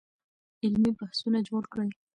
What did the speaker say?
علمي بحثونه جوړ کړئ.